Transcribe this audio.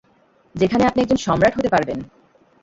যেখানে আপনি একজন সম্রাট হতে পারবেন!